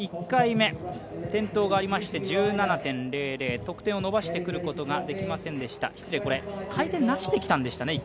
１回目、転倒がありまして１７．００、得点を伸ばしてくることができませんでした。